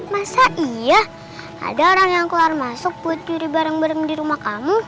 masa iya ada orang yang keluar masuk buat nyuri barang barang di rumah kamu